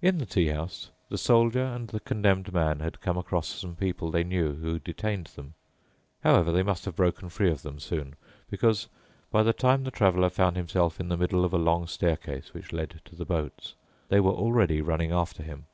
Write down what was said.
In the tea house the Soldier and the Condemned Man had come across some people they knew who detained them. However, they must have broken free of them soon, because by the time the Traveler found himself in the middle of a long staircase which led to the boats, they were already running after him.